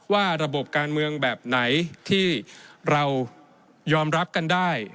ว่าระบบการเมืองแบบไหนที่เรายอมรับกันได้